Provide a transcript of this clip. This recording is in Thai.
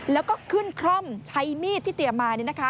แล้วก็ขึ้นคร่อมใช้มีดที่เตรียมมา